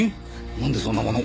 なんでそんなもの。